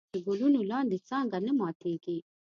د ګلونو لاندې څانګه نه ماتېږي.